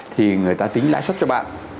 thì người ta tính lãi suất cho bạn